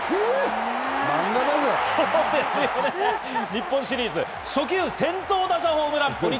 日本シリーズ、初球先頭打者ホームラン！